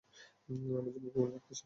আমার জীবনকে মনে রাখতে চাই।